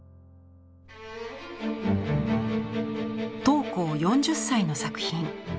桃紅４０歳の作品。